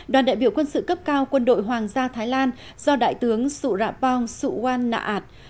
đoàn đại biểu quân sự cấp cao quân đội hoàng gia thái lan do đại tướng sụ rạpong sụ wan nạ ảt